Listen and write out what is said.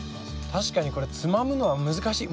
確かにこれつまむのは難しい。